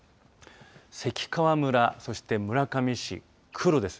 関川村、そして村上市黒です。